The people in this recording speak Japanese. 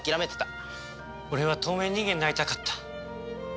俺は透明人間になりたかった。